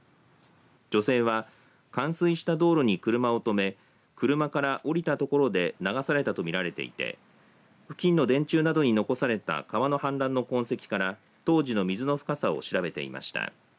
女性は冠水した道路に車を止め車から降りた所で流されたと見られていて付近の電柱などに残された川の氾濫の痕跡から当時の水の深さを調べていました。